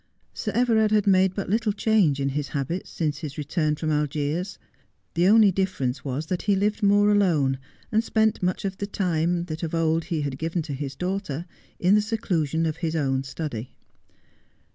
Sir Everard had made but little change in his habits since his return from Algiers. The only difference was that he lived more alone, and spent much of the time that of old he had given to his daughter in the seclusion of his own study.